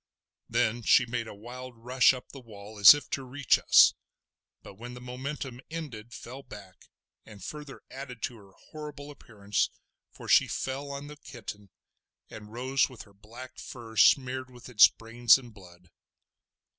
Then she made a wild rush up the wall as if to reach us, but when the momentum ended fell back, and further added to her horrible appearance for she fell on the kitten, and rose with her black fur smeared with its brains and blood.